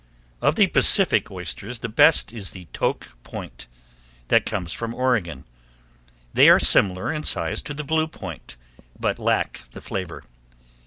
Of the Pacific oysters the best is the Toke Point, that comes from Oregon. They are similar in size to the Blue Point, but lack the flavor.